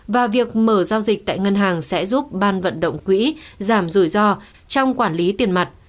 và việc mở giao dịch tại ngân hàng sẽ giúp ban vận động quỹ giảm rủi ro trong quản lý tiền mặt